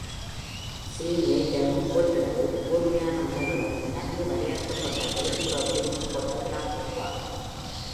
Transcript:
C. Mayer ஒப்பீட்டளவில் கூர்மையான முனைகளும் நன்கு வரையறுக்கப்பட்ட வெளிப்புற விளிம்பும் கொண்ட இளம் உருவாக்கம்.